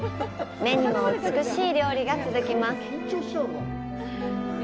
目にも美しい料理が続きます。